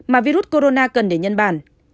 mà virus corona cần để nhân bản